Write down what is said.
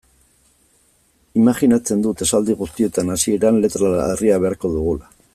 Imajinatzen dut esaldi guztietan hasieran letra larria beharko dugula.